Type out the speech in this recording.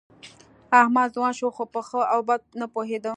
احمد ځوان شو، خو په ښه او بد نه پوهېده.